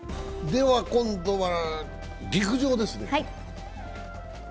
では今度は陸上ですね。